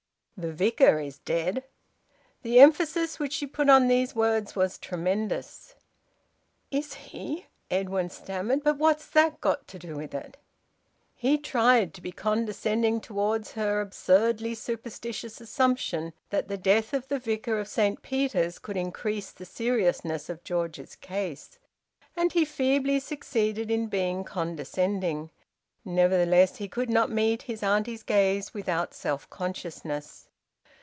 "The Vicar is dead." The emphasis which she put on these words was tremendous. "Is he," Edwin stammered. "But what's that got to do with it?" He tried to be condescending towards her absurdly superstitious assumption that the death of the Vicar of Saint Peter's could increase the seriousness of George's case. And he feebly succeeded in being condescending. Nevertheless he could not meet his auntie's gaze without self consciousness.